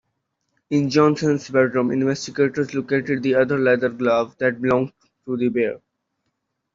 In Johnson's bedroom investigators located the other leather glove that belonged to the pair.